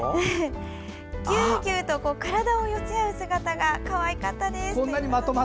ぎゅうぎゅうと体を寄せ合う姿がかわいかったです。